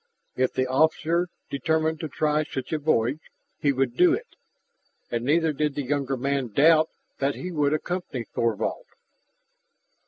If the officer determined to try such a voyage, he would do it. And neither did the younger man doubt that he would accompany Thorvald.